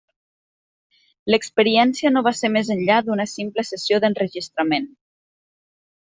L'experiència no va ser més enllà d'una simple sessió d'enregistrament.